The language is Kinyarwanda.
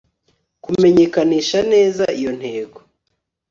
kumenyekanisha neza iyo ntego